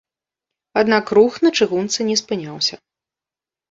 Аднак рух на чыгунцы не спыняўся.